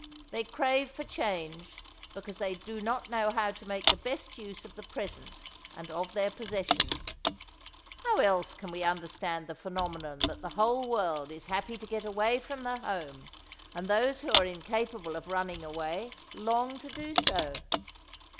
They crave for change because they do not know how to make the best use of the present and of their possessions. How else can we understand the phenomenon that the whole world is happy to get away from the home and those who are incapable of running away long to do so?